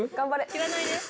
切らないでよ